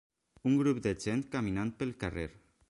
un grup de gent caminant pel carrer